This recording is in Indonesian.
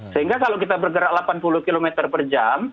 sehingga kalau kita bergerak delapan puluh km per jam